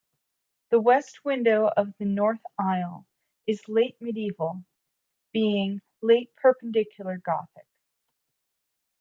The west window of the north aisle is late medieval, being late Perpendicular Gothic.